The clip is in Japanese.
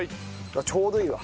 ちょうどいいわ。